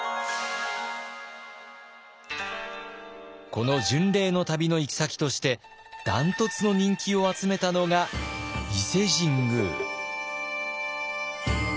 この巡礼の旅の行き先として断トツの人気を集めたのが伊勢神宮。